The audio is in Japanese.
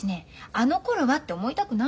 「あのころは」って思いたくないの。